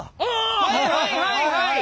はいはいはいはい！